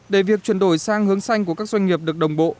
để việc chuyển đổi sang hướng xanh của các doanh nghiệp được đồng bộ